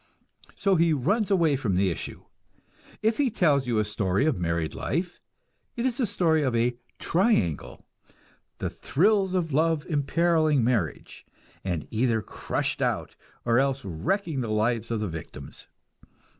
So he runs away from the issue; if he tells you a story of married life, it is a story of a "triangle" the thrills of love imperiling marriage, and either crushed out, or else wrecking the lives of the victims.